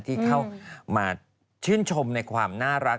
ที่เข้ามาชื่นชมในความน่ารัก